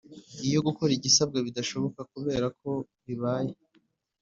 Iyo gukora igisabwa bidashoboka kubera ko bibaye